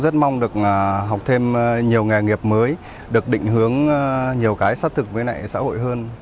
rất mong được học thêm nhiều nghề nghiệp mới được định hướng nhiều cái xác thực với xã hội hơn